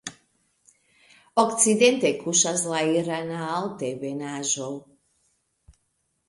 Okcidente kuŝas la Irana Altebenaĵo.